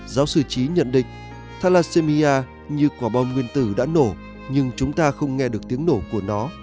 giáo sư chí nhận định thalacemia như quả bom nguyên tử đã nổ nhưng chúng ta không nghe được tiếng nổ của nó